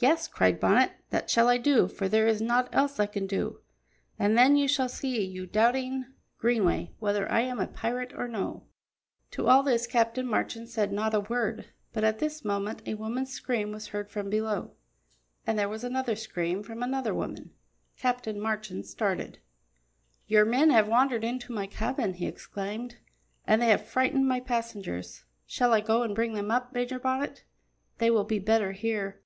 "Yes," cried Bonnet, "that shall I do, for there is naught else I can do. And then you shall see, you doubting Greenway, whether I am a pirate or no." To all this Captain Marchand said not a word. But at this moment a woman's scream was heard from below, and then there was another scream from another woman. Captain Marchand started. "Your men have wandered into my cabin," he exclaimed, "and they have frightened my passengers. Shall I go and bring them up, Major Bonnet? They will be better here."